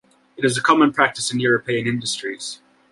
It is a common practice in European industries.